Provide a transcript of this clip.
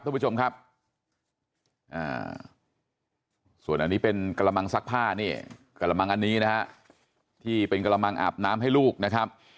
คุณผู้ชมครับส่วนอันนี้เป็นกระมังซักผ้านี่กระมังอันนี้นะฮะที่เป็นกระมังอาบน้ำให้ลูกนะครับ